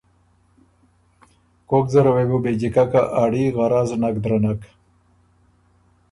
کوک زره وې بو بې جیککه اړي غرض نک درنک۔